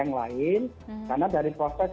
yang lain karena dari proses